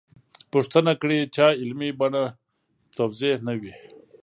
پوښتنه کړې چا علمي بڼه توضیح نه وي.